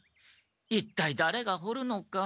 一体だれが掘るのか？